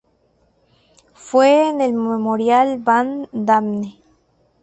Fue en el Memorial Van Damme.